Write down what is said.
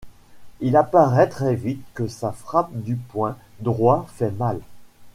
Il apparaît très vite que sa frappe du poing droit fait mal.